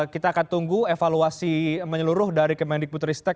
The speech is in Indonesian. kita akan tunggu evaluasi menyeluruh dari kemendikbud ristek